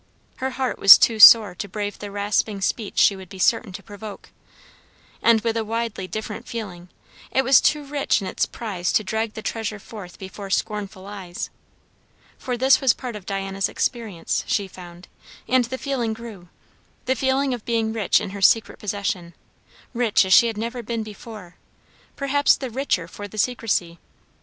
Her heart was too sore to brave the rasping speech she would be certain to provoke. And with a widely different feeling, it was too rich in its prize to drag the treasure forth before scornful eyes. For this was part of Diana's experience, she found; and the feeling grew, the feeling of being rich in her secret possession; rich as she never had been before; perhaps the richer for the secresy.